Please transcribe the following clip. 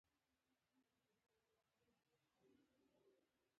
موږ ستا وسایل راوړل.